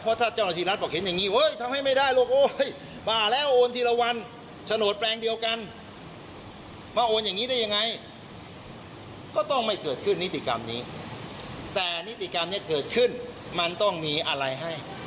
เพราะถ้าเจ้าหน้าที่รัฐบอกเห็นอย่างนี้ทำไมไม่ได้